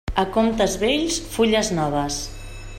A comptes vells, fulles noves.